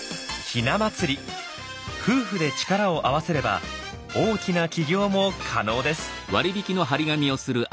ひな祭り夫婦で力を合わせれば大きな起業も可能です。